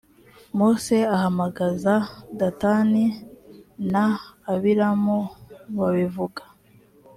mose ahamagaza datani na abiramu babivuga